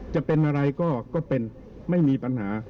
จะเป็นอะไรก็เป็นไม่มีปัญหา